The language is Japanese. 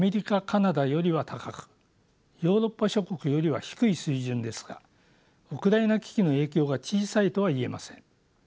カナダよりは高くヨーロッパ諸国よりは低い水準ですがウクライナ危機の影響が小さいとは言えません。